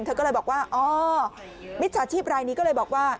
เธอก็เลยบอกว่าอ๋อมิจฉาชีพรายนี้ก็เลยบอกว่า